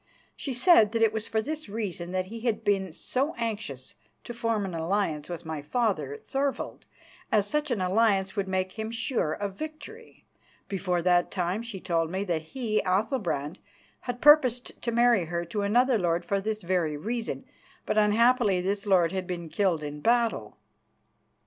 She said that it was for this reason that he had been so anxious to form an alliance with my father, Thorvald, as such an alliance would make him sure of victory. Before that time, she told me that he, Athalbrand, had purposed to marry her to another lord for this very reason, but unhappily this lord had been killed in battle.